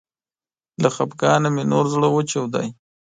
له خفګانه مې نور زړه وچاوده